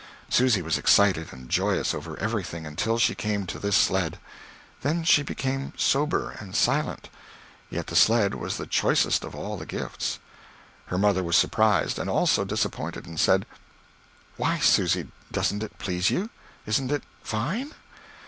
Susy was excited and joyous over everything, until she came to this sled. Then she became sober and silent yet the sled was the choicest of all the gifts. Her mother was surprised, and also disappointed, and said: "Why, Susy, doesn't it please you? Isn't it fine?"